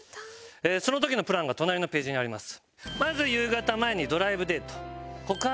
その時のプランが隣のページにあります。